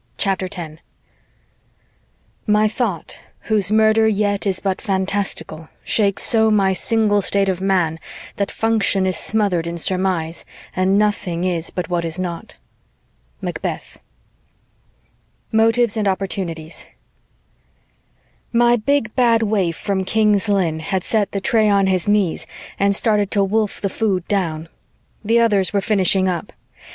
CHAPTER 10 My thought, whose murder yet is but fantastical, Shakes so my single state of man that function Is smother'd in surmise, and nothing is But what is not. Macbeth MOTIVES AND OPPORTUNITIES My big bad waif from King's Lynn had set the tray on his knees and started to wolf the food down. The others were finishing up.